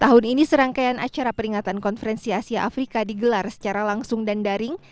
tahun ini serangkaian acara peringatan konferensi asia afrika digelar secara langsung dan daring